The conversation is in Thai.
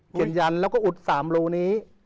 เขียนยันแล้วก็อุด๓รูนี้